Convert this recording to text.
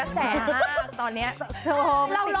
กระแสมากตอนนี้